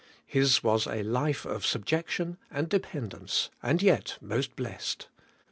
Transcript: His was a life of subjection and dependence, and yet most blessed.